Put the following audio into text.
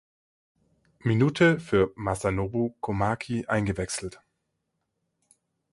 Minute für Masanobu Komaki eingewechselt.